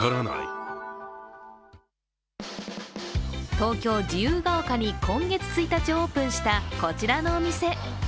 東京・自由が丘に今月オープンしたこちらのお店。